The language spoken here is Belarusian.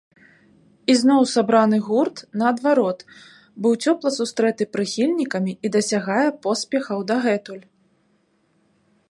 Ізноў сабраны гурт, наадварот, быў цёпла сустрэты прыхільнікамі і дасягае поспехаў дагэтуль.